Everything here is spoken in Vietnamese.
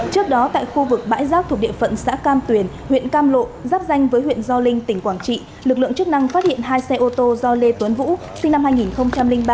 trước đó tại khu vực bãi rác thuộc địa phận xã cam tuyền huyện cam lộ giáp danh với huyện gio linh tỉnh quảng trị lực lượng chức năng phát hiện hai xe ô tô do lê tuấn vũ sinh năm hai nghìn ba